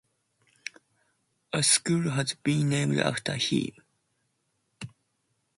A school has been named after him.